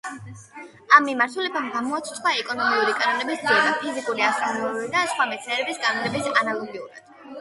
ამ მიმართულებამ „გამოაცოცხლა“ ეკონომიკური კანონების ძიება, ფიზიკური, ასტრონომიული და სხვა მეცნიერებების კანონების ანალოგიურად.